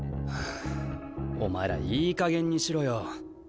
あお前らいいかげんにしろよ。